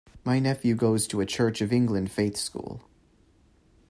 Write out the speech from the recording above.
My nephew goes to a Church of England faith school